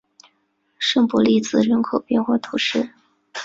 圣博利兹人口变化图示